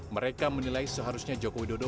mereka menilai seharusnya jokowi dodo